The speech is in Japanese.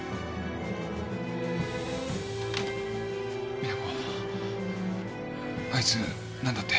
実那子あいつ何だって？